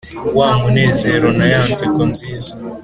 Wa munezero na ya nseko nziza